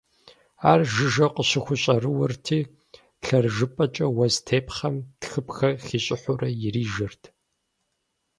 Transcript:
Ар жыжьэу къыщыхущӀэрыуэрти лъэрыжэпэкӀэ уэс тепхъэм тхыпхъэ хищӀыхьурэ ирижэрт.